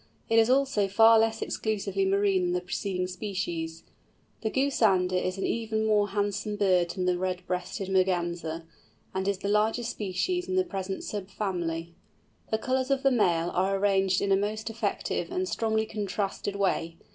It is also far less exclusively marine than the preceding species. The Goosander is an even more handsome bird than the Red breasted Merganser, and is the largest species in the present sub family. The colours of the male are arranged in a most effective and strongly contrasted way.